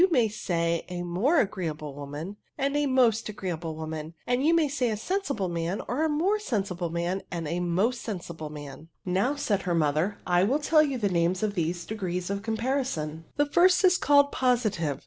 m^y: My ^ more agreeable woman, and a .mostaffreer able woman ; and you may say a sensible man, a^more sensible man, and a most^. sen sible maa«" " Now>'* said her mother, " I will teU ypu the names of these degrees of compapson. The first is called Positive.